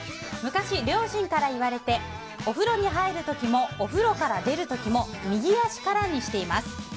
昔、両親から言われてお風呂に入る時もお風呂から出る時も右足からにしています。